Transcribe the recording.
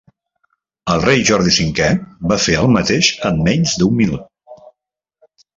"El rei Jordi cinquè" va fer el mateix en menys d'un minut.